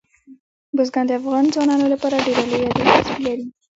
بزګان د افغان ځوانانو لپاره ډېره لویه دلچسپي لري.